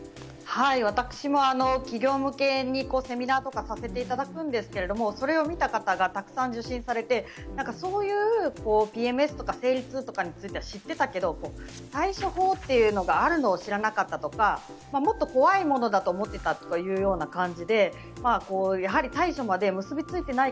私も企業向けにセミナーとかさせていただくんですけどそれを見た方がたくさん受診されてそういうＰＭＳとか生理痛については知ってたけど対処法というのがあるのを知らなかったとかもっと怖いものだと思ってたとかいうような感じでやはり対処まで結びついていない